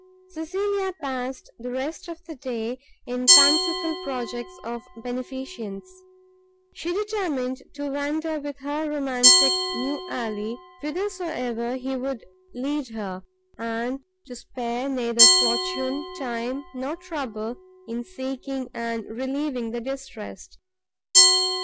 Cecelia passed the rest of the day in fanciful projects of beneficence; she determined to wander with her romantic new ally whither so ever he would lead her, and to spare neither fortune, time, nor trouble, in seeking and relieving the distressed.